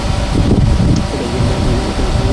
এটা পুরাই পাগলামি।